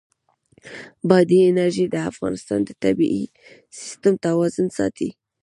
بادي انرژي د افغانستان د طبعي سیسټم توازن ساتي.